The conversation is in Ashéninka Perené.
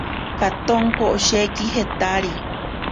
Katonko osheki jetari.